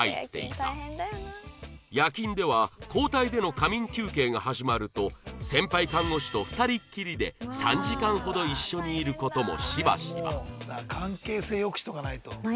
夜勤では交代での仮眠休憩が始まると先輩看護師と２人きりで３時間ほど一緒にいる事もしばしば